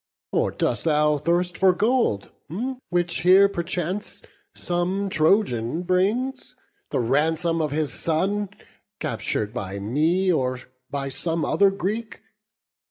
Or dost thou thirst for gold, which here perchance Some Trojan brings, the ransom of his son Captur'd by me, or by some other Greek?